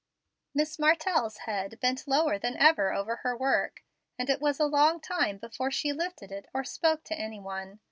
Miss Martell's head bent lower than ever over her work, and it was a long time before she lifted it or spoke to any one.